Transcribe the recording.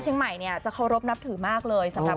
เชิงใหม่เค้ารบนับถือมากเลย